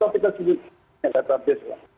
kita sudah punya data base